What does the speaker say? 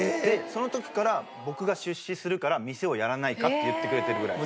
その時から「僕が出資するから店をやらないか？」って言ってくれてるぐらい。